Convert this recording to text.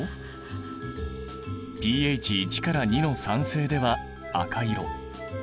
ｐＨ１から２の酸性では赤色。